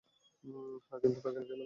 হ্যাঁ, কিন্তু তাকে কে বানিয়েছে?